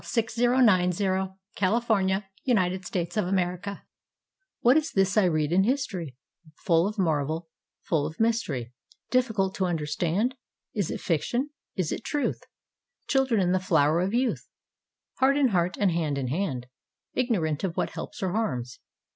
THE CHILDREN'S CRUSADE BY HENRY WADSWORTH LONGFELLOW What is this I read in history, Full of marvel, full of mystery, Difficult to understand? Is it fiction, is it truth? Children in the flower of youth, Heart in heart, and hand in hand, Ignorant of what helps or harms.